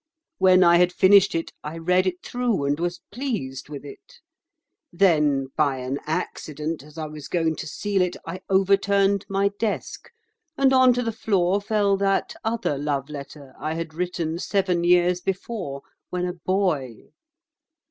When I had finished it, I read it through and was pleased with it. Then by an accident, as I was going to seal it, I overturned my desk, and on to the floor fell that other love letter I had written seven years before, when a boy.